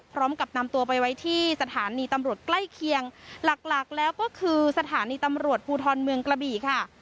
พร้อมกับนำตัวไปไว้ที่สถานีตำรวจใกล้เคียงหลักหลักแล้วก็คือสถานีตำรวจภูทรเมืองกระบี่ค่ะ